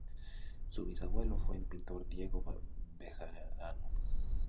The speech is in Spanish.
Su bisabuelo fue el pintor Diego Bejarano.